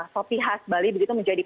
sopi khas bali begitu menjadi